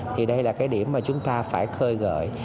thì đây là cái điểm mà chúng ta phải khơi gợi